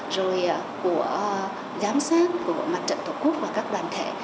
rồi của giám sát của mặt trận tổ quốc và các đoàn thể